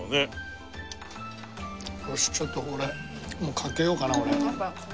よしちょっと俺もうかけようかな俺。